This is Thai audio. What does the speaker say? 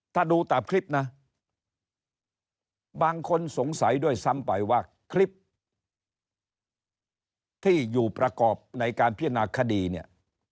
ถ้าดูตามคลิปนะบางคนสงสัยด้วยซ้ำไปว่าคลิปที่อยู่ประกอบในการพิจารณาคดีเนี่ย